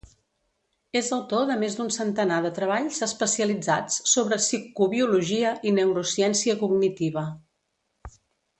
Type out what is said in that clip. És autor de més d’un centenar de treballs especialitzats sobre psicobiologia i neurociència cognitiva.